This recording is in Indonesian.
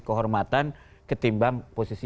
kehormatan ketimbang posisi